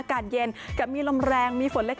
สวัสดีค่ะพบกับช่วงนี้สวัสดีค่ะ